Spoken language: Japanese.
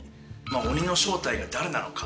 鬼の正体が誰なのか？